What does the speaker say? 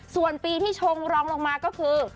ส่วนปีที่ชงรองลงมาก็คือ